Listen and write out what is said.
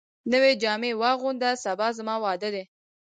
نوي جامي واغونده ، سبا زما واده دی